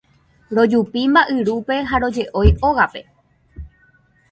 rojupi mba'yrúpe ha roje'ói ógape.